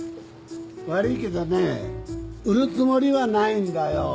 悪いけどねぇ売るつもりはないんだよ。